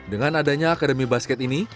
dengan adanya akademi basket ini